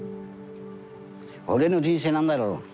俺の人生何だろう。